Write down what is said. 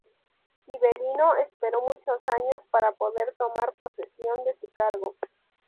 Gibelino esperó muchos años para poder tomar posesión de su cargo.